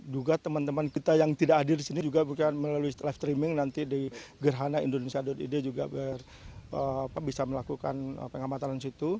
juga teman teman kita yang tidak hadir di sini juga bukan melalui live streaming nanti di gerhana indonesia id juga bisa melakukan pengamatan di situ